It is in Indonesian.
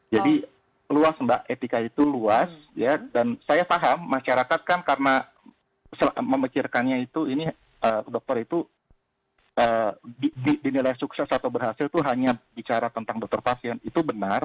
jadi luas mbak etika itu luas dan saya paham masyarakat kan karena memikirkannya itu dokter itu dinilai sukses atau berhasil itu hanya bicara tentang dokter pasien itu benar